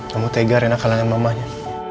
kamu tega rina kalahkan mamahnya